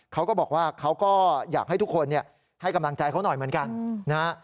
เขาก็บอกว่าเขาก็อยากให้ทุกคนให้กำลังใจเขาหน่อยเหมือนกันนะฮะ